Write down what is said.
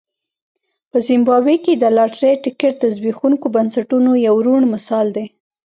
په زیمبابوې کې د لاټرۍ ټکټ د زبېښونکو بنسټونو یو روڼ مثال دی.